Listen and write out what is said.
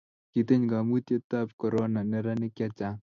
kitiny kaimutietab korona neranik che chang'